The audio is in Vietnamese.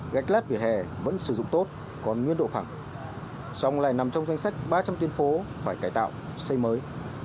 gạch lát vỉa hè vẫn sử dụng tốt còn nguyên độ phẳng song lại nằm trong danh sách ba trăm linh tuyên phố phải cải tạo xây mới